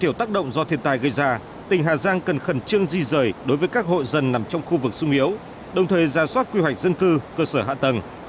theo tác động do thiền tài gây ra tỉnh hà giang cần khẩn trương di rời đối với các hội dân nằm trong khu vực sung yếu đồng thời giả soát quy hoạch dân cư cơ sở hạ tầng